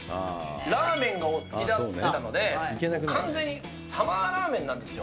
ラーメンがお好きだっていうので、完全にサマーラーメンなんですよ。